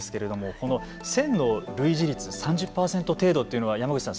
この線の類似率３０％程度というのは山口さん